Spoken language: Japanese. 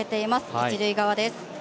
一塁側です。